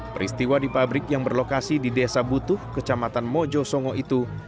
peristiwa di pabrik yang berlokasi di desa butuh kecamatan mojo songo itu